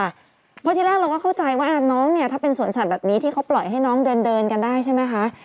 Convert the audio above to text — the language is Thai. เพราะที่แรกเราก็เข้าใจว่าน้องเนี่ยถ้าเป็นสวนสัตว์แบบนี้ที่เขาปล่อยให้น้องเดินกันได้ใช่ไหมคะ